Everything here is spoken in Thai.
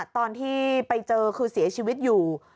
ตอนที่ไปเจอคือเสียชีวิตอยู่